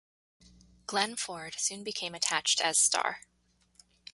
Glenn Ford soon became attached as star.